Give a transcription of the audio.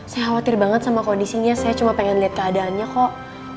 saya khawatir banget sama kondisinya saya cuma pengen lihat keadaannya kok